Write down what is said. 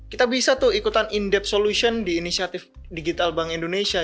kita bisa tuh ikutan indep solution di inisiatif digital bank indonesia